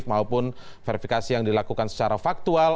maupun verifikasi yang dilakukan secara faktual